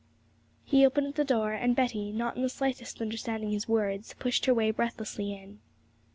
He opened the door, and Betty, not in the slightest understanding his words, pushed her way breathlessly in.